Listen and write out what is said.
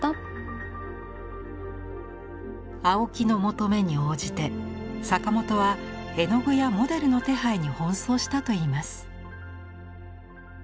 青木の求めに応じて坂本は絵の具やモデルの手配に奔走したといいます。